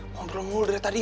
ngomong ngomong udah tadi ya